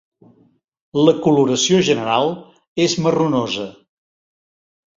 La coloració general és marronosa.